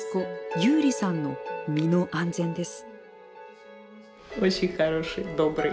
ユーリさんの身の安全です。